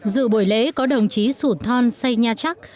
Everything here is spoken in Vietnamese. dự buổi lễ có đồng chí sủn thon say nha chắc